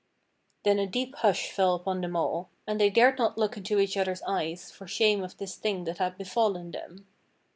Then a deep hush fell upon them all, and they dared not look into each other's eyes for shame of this thing that had befallen them.